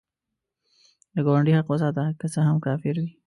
د ګاونډي حق وساته، که څه هم کافر وي